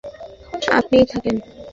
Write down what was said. একটাতে তো আপনিই থাকেন।